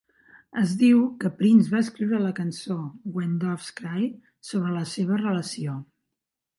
Es diu que Prince va escriure la cançó "When Doves Cry" sobre la seva relació.